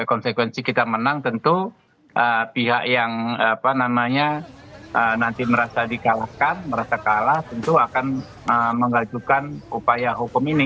konsekuensi kita menang tentu pihak yang nanti merasa dikalahkan merasa kalah tentu akan mengajukan upaya hukum ini